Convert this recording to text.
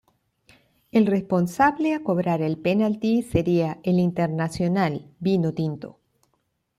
El responsable a cobrar el penalti sería el internacional vinotinto.